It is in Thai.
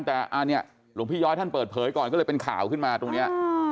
แต่อันนี้หลวงพี่ย้อยท่านเปิดเผยก่อนก็เลยเป็นข่าวขึ้นมาตรงนี้